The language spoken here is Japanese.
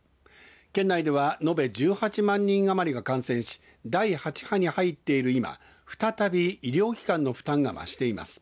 県内では延べ１８万人余りが感染し第８波に入っている今再び医療機関の負担が増しています。